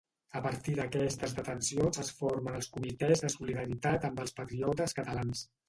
A partir d'aquestes detencions es formen els Comitès de Solidaritat amb els Patriotes Catalans.